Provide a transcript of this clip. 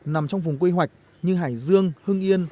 nằm trong vùng quy hoạch như hải dương hưng yên